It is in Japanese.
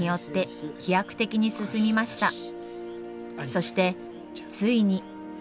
そしてついに。